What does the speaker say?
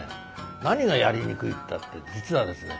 何がやりにくいったって実はですね